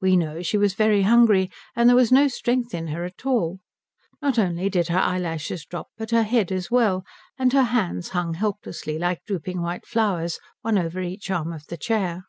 We know she was very hungry, and there was no strength in her at all. Not only did her eyelashes drop, but her head as well, and her hands hung helplessly, like drooping white flowers, one over each arm of the chair.